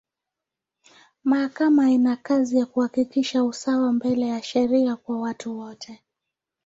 Mahakama ina kazi ya kuhakikisha usawa mbele ya sheria kwa watu wote.